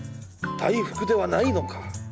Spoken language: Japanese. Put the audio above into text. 大福ではないのか？